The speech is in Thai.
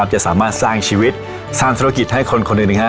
จะสามารถสร้างชีวิตสร้างธุรกิจให้คนคนหนึ่ง